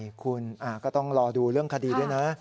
ใช่คุณก็ต้องรอดูเรื่องคดีด้วยนะ